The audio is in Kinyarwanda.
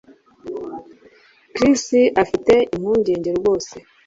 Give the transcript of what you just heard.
Chris afite impungenge rwose